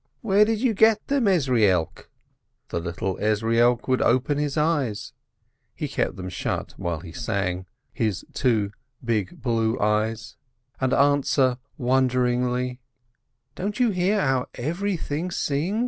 "Where do you get them, Ezrielk?" The little Ezrielk would open his eyes (he kept them shut while he sang), his two big blue eyes, and answer wonderingly : "Don't you hear how everything sings